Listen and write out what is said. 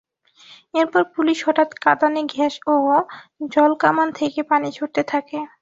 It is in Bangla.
এরপর পুলিশ হঠাৎ কাঁদানে গ্যাস ও জলকামান থেকে পানি ছুড়তে থাকে।